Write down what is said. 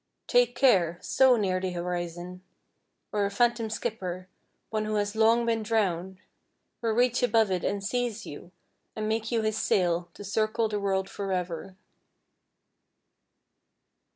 Take care, so near the horizon, Or a phantom skipper, one who has long been drowned, Will reach above it and seize you And make you his sail to circle the world forever!